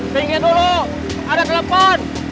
tinggal dulu ada telepon